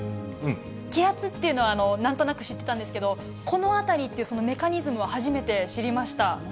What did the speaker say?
気圧っていうのはなんとなく知ってたんですけど、この辺りっていうそのメカニズムは初めて知りました。